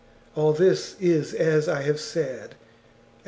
All this is as I have said, and XXXI.